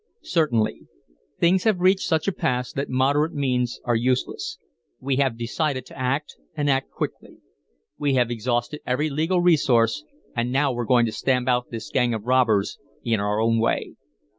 "Certainly. Things have reached such a pass that moderate means are useless. We have decided to act, and act quickly. We have exhausted every legal resource and now we're going to stamp out this gang of robbers in our own way.